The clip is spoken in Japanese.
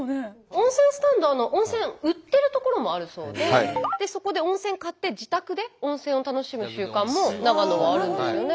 温泉スタンド温泉売ってる所もあるそうでそこで温泉買って自宅で温泉を楽しむ習慣も長野はあるんですよね。